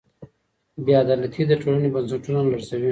بې عدالتي د ټولني بنسټونه لړزوي.